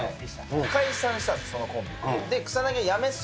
解散したんです、そのコンビが。